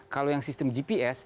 kalau yang sistem gps